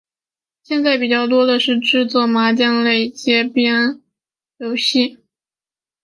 现在比较多的是制作麻将类街机游戏。